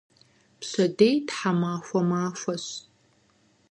Пщэдей тхьэмахуэ махуэщ.